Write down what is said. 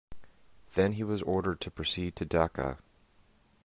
Then he was ordered to proceed to Dhaka.